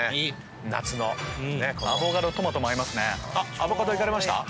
アボカドいかれました？